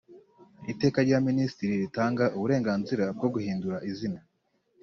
Iteka rya minisitiri ritanga uburenganzira bwo guhindura izina